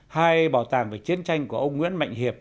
hai bảo tàng về chiến tranh của ông nguyễn mạnh hiệp